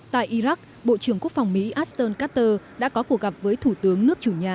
tại iraq bộ trưởng quốc phòng mỹ aston katter đã có cuộc gặp với thủ tướng nước chủ nhà